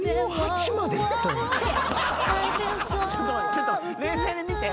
ちょっと冷静に見て。